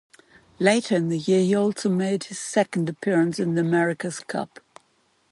Later in the year he also made his second appearance in the Americas Cup.